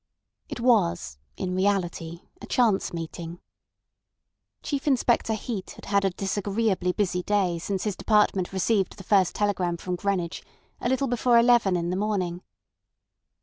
It was in reality a chance meeting. Chief Inspector Heat had had a disagreeably busy day since his department received the first telegram from Greenwich a little before eleven in the morning.